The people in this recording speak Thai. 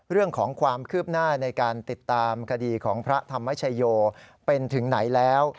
เรื่องของความคืบหน้าในการติดตามคดีของพระธรรมชโยเป็นถึงไหนแล้ว